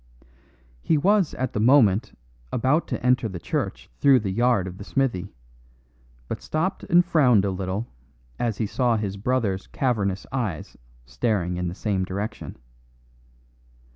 He was at the moment about to enter the church through the yard of the smithy, but stopped and frowned a little as he saw his brother's cavernous eyes staring in the same direction.